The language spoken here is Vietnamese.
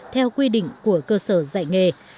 theo quy định của cơ sở dạy nghề